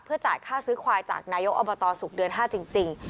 จ่ายค่าซื้อควายจากนายกอบตศุกร์เดือน๕จริง